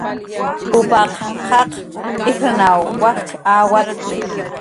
Upaq qaq ijrnaw wakch awatki